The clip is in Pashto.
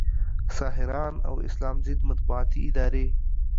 ساحران او اسلام ضد مطبوعاتي ادارې